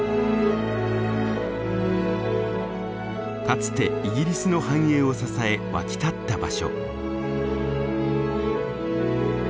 かつてイギリスの繁栄を支え沸き立った場所。